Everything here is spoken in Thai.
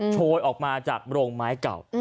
โชยออกมาจากโรงไม้เก่า